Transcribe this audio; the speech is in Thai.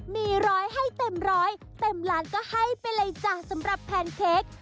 มีร้อยให้เต็มร้อยเต็มล้านก็ให้ไปเลยจ้ะสำหรับแพนเค้ก